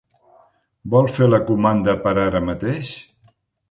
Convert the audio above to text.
Vol fer la comanda per ara mateix?